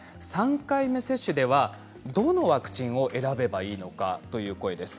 ３回目接種ではどのワクチンを選べばいいのかという声です。